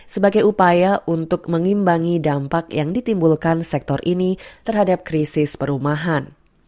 sebagai upaya untuk mengimbangi dampak yang ditimbulkan sektor ini terhadap krisis perumahan